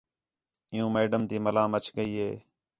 عِیّوں میڈم تی ملام اَچ ڳئی ہے